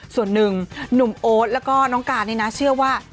ส่วนหนึ่งหนุ่มโอ๊ตแล้วก็น้องการนี่นะเชื่อว่า